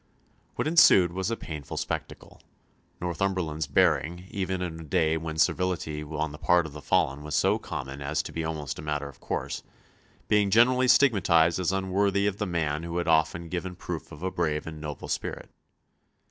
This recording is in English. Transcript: What ensued was a painful spectacle, Northumberland's bearing, even in a day when servility on the part of the fallen was so common as to be almost a matter of course, being generally stigmatized as unworthy of the man who had often given proof of a brave and noble spirit.